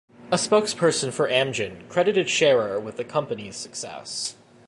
A spokesperson for Amgen credited Sharer with the company's success.